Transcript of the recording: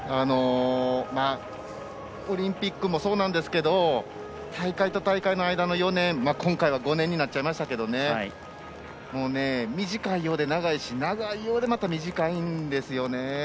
オリンピックもそうなんですけど大会と大会の間の４年今回は５年になっちゃいましたけど短いようで長いし長いようで短いんですよね。